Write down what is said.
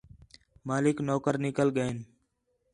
مالک، نوکر نِکل ڳئین